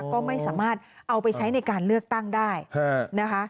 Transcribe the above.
ก็ไม่สามารถเอาไปใช้ในการเลือกตั้งได้นะคะ